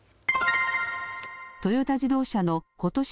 トヨタ自動車のことし